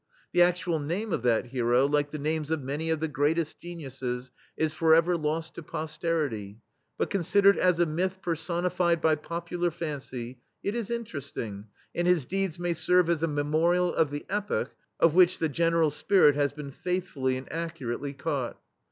The actual name of that hero, like the names of many of the greatest geniuses, is for ever lost to posterity ; but, considered as a myth personified by popular fancy, it is interesting, and his deeds may serve as a memorial of the epoch of which the general spirit has been faithfully and accurately caught.